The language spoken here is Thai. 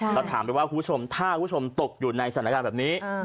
เราถามไปว่าคุณผู้ชมถ้าคุณผู้ชมตกอยู่ในสถานการณ์แบบนี้